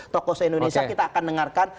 tokoh se indonesia kita akan dengarkan